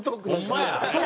ホンマや！